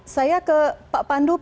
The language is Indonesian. saya ke pak pandu